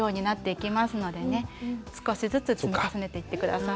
少しずつ積み重ねていって下さい。